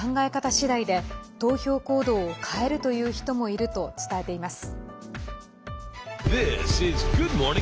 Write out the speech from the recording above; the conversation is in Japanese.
次第で投票行動を変えるという人もいると伝えています。